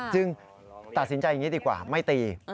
ตัดสินใจอย่างนี้ดีกว่าไม่ตี